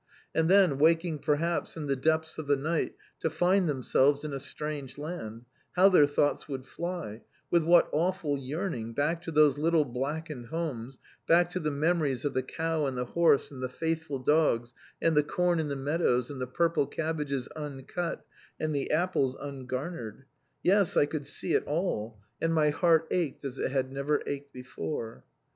And then, waking perhaps in the depths of the night to find themselves in a strange land, how their thoughts would fly, with what awful yearning, back to those little blackened homes, back to the memories of the cow and the horse and the faithful dogs, and the corn in the meadows, and the purple cabbages uncut and the apples ungarnered! Yes, I could see it all, and my heart ached as it had never ached before.